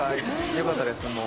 よかったです。